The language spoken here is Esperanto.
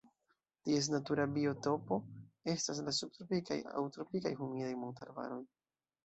Ties natura biotopo estas la subtropikaj aŭ tropikaj humidaj montarbaroj.